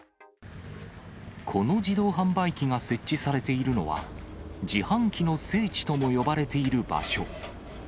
この自動販売機が設置されているのは、自販機の聖地とも呼ばれている場所。